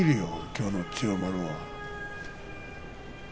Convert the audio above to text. きょうの千代丸は。